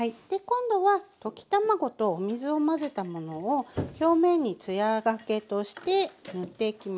今度は溶き卵とお水を混ぜたものを表面に艶がけとして塗っていきます。